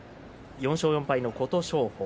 ４勝４敗の琴勝峰。